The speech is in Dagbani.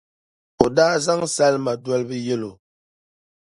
o daa zaŋ salima dolibi yɛli o.